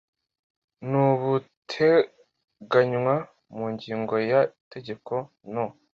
n ubuteganywa mu ngingo ya y itegeko No